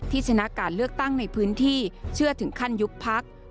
ชนะการเลือกตั้งในพื้นที่เชื่อถึงขั้นยุบพัก